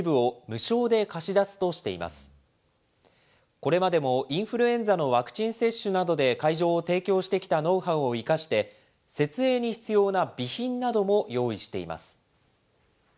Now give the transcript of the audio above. これまでもインフルエンザのワクチン接種などで、会場を提供してきたノウハウを生かして、設営に必要な備品なども用意しています。